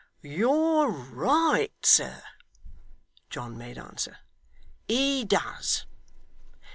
'You're right, sir,' John made answer, 'he does.